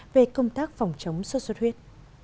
về công tác phòng chống sốt xuất huyết